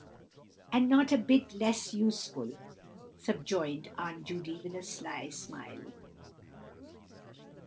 "And not a bit less useful," subjoined Aunt Judy, with a sly smile.